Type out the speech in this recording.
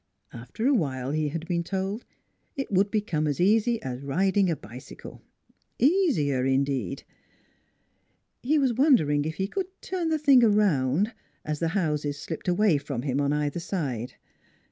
After a while, he had been told, it would become as easy as riding a bicycle easier, indeed. He was wondering if he could turn the thing around, as the houses slipped away from him on either side.